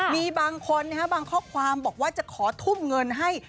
มีบางคนบางข้อความบอกว่าจะขอทุ่มเงินให้